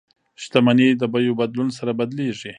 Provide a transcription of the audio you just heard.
شتمني د بیو بدلون سره بدلیږي.